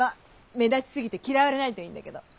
目立ち過ぎて嫌われないといいんだけど。